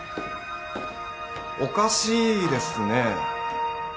おかしいですね。